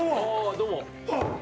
どうも。